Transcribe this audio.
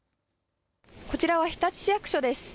こちらは日立市役所です。